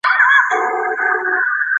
直荚草黄耆为豆科黄芪属的植物。